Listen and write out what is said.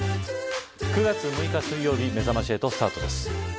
９月６日水曜日めざまし８スタートです。